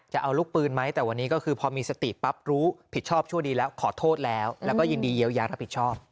จะเอาลูกปืนไหมแต่วันนี้ก็คือพอมีสติปั๊บรู้ผิดชอบชั่วดีแล้วขอโทษแล้วแล้วก็ยินดีเยียวยารับผิดชอบ